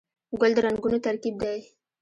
ګل د رنګونو ترکیب دی.